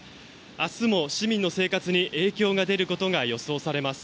明日も市民の生活に影響が出ることが予想されます。